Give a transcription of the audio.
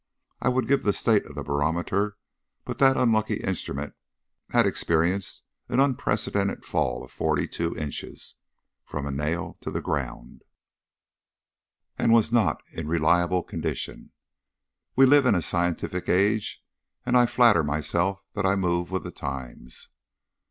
I would give the state of the barometer, but that unlucky instrument had experienced an unprecedented fall of forty two inches from a nail to the ground and was not in a reliable condition. We live in a scientific age, and I flatter myself that I move with the times.